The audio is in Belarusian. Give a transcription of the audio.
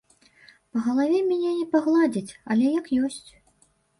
Па галаве мяне не пагладзяць, але як ёсць.